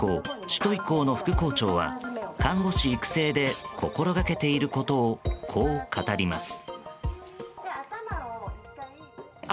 首都医校の副校長は看護師育成で心がけていることをこう語ります。